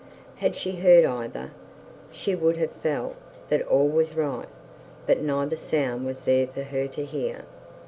Had she heard either, she would have felt that all was right; but neither sound was there for her to hear.